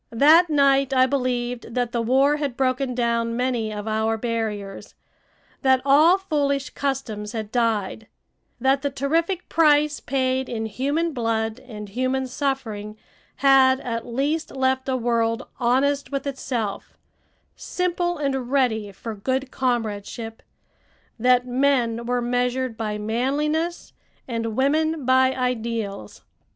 That night I believed that the war had broken down many of our barriers; that all foolish customs had died; that the terrific price paid in human blood and human suffering had at least left a world honest with itself, simple and ready for good comradeship; that men were measured by manliness and women by ideals.